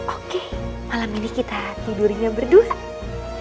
oke malam ini kita tidurnya berdua